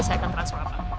saya akan transfer pak